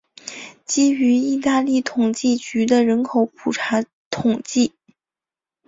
基于意大利统计局的人口普查统计。